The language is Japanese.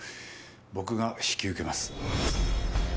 僕が引き受けます。